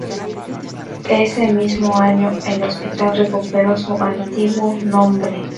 Ese mismo año, el hospital recuperó su antiguo nombre.